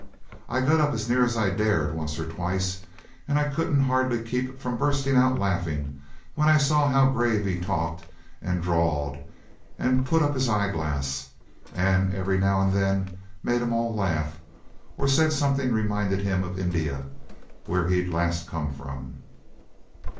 I got up as near as I dared once or twice, and I couldn't hardly keep from bursting out laughing when I saw how grave he talked and drawled and put up his eyeglass, and every now and then made 'em all laugh, or said something reminded him of India, where he'd last come from.